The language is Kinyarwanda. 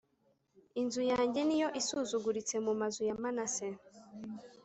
inzu yanjye ni yo isuzuguritse mu mazu ya manase